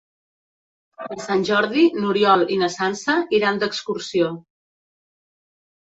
Per Sant Jordi n'Oriol i na Sança iran d'excursió.